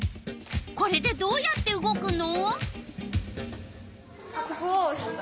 これでどうやって動くの？